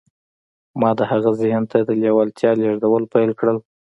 ما د هغه ذهن ته د لېوالتیا لېږدول پیل کړل